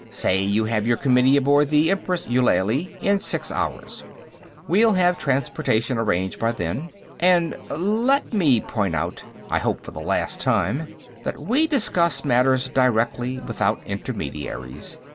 Say you have your committee aboard the Empress Eulalie in six hours. We'll have transportation arranged by then. And let me point out, I hope for the last time, that we discuss matters directly, without intermediaries.